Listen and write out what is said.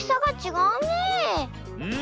うん。